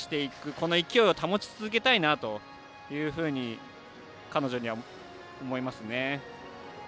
この勢いを保ち続けたいなというふうに彼女には思いますね。